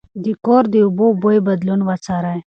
د کور د اوبو بوی بدلون وڅارئ.